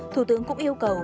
thủ tướng cũng yêu cầu